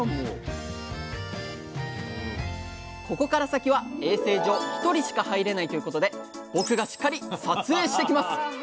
ここから先は衛生上一人しか入れないということで僕がしっかり撮影してきます！